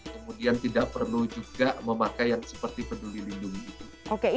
kemudian tidak perlu juga memakai yang seperti peduli lindungi